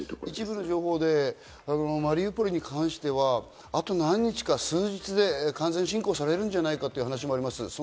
一部で、マリウポリに関しては、あと何日か、数日で完全侵攻されるんじゃないかという話もあります。